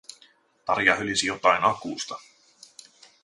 Tarja hölisi jotain akusta.